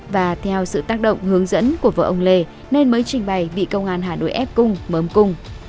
và theo sự tác động hướng dẫn của vợ ông lê mới trình bày bị công an hà nội ép cung mớm cung